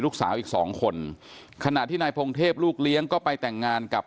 ลูกสาวอีกสองคนขณะที่นายพงเทพลูกเลี้ยงก็ไปแต่งงานกับ